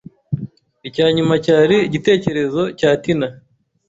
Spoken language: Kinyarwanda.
Icya nyuma cyari igitekerezo cya Tina.